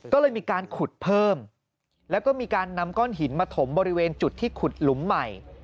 ก็เลยมีการขุดเพิ่มแล้วก็มีการนำก้อนหินมาถมบริเวณจุดที่ขุดหลุมใหม่